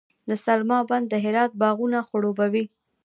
د سلما بند د هرات باغونه خړوبوي.